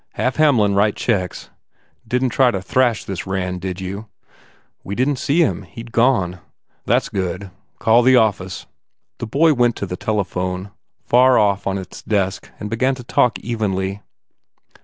Have Hamlin write checks Didn t try to thrash this Rand, did you?" "We didn t see him. He d gone." "That s good. Call the office." 259 THE FAIR REWARDS The boy went to the telephone, far off on its desk and began to talk evenly.